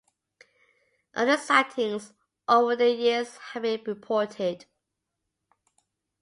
Other sightings over the years have been reported.